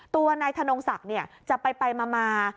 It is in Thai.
ตัวนายธนงศักดิ์จะไปมา